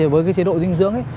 với cái chế độ dinh dưỡng